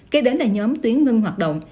kế đến là nhóm tuyến ngưng hoạt động